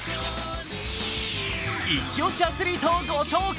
イチ押しアスリートをご紹介。